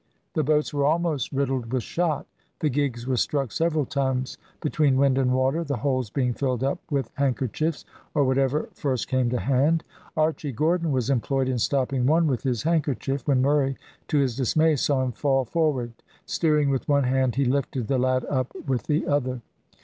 The boats were almost riddled with shot; the gigs were struck several times between wind and water, the holes being filled up with handkerchiefs, or whatever first came to hand. Archy Gordon was employed in stopping one with his handkerchief, when Murray, to his dismay, saw him fall forward; steering with one hand he lifted the lad up with the other.